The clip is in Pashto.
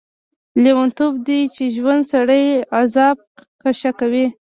لیونتوب دی چې ژوندی سړی عذاب کشه کوي.